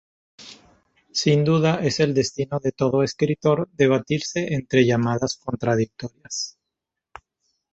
Sin duda es el destino de todo escritor debatirse entre llamadas contradictorias.